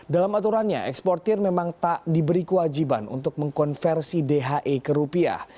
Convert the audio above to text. dalam aturannya eksportir memang tak diberi kewajiban untuk mengkonversi dhe ke rupiah